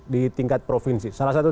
di tingkat provinsi salah satu